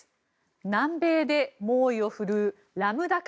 南米で猛威を振るうラムダ株。